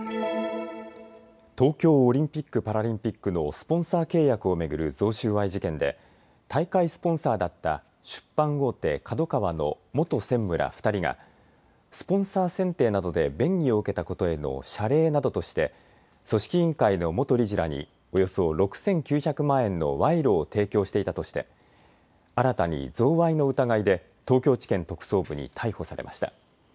東京オリンピック・パラリンピックのスポンサー契約を巡る贈収賄事件で、大会スポンサーだった出版大手、ＫＡＤＯＫＡＷＡの元専務ら２人がスポンサー選定などで便宜を受けたことへの謝礼などとして組織委員会の元理事らにおよそ６９００万円の賄賂を提供していたとして、新たに贈賄の疑いで東京地検特捜部に逮捕されました。